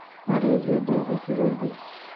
আরে জুরিদেরকে কী বলবি?